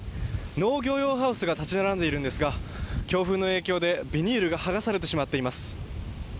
農業用ハウスが立ち並んでいるんですが強風の影響でビニールが剥がされてしまっています。